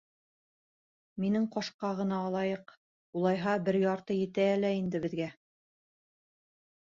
— Минең ҡашҡа ғына алайыҡ, улайһа, бер ярты етә лә инде беҙгә.